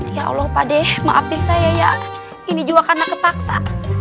ya allah pak deh maafin saya ya ini juga karena kepaksa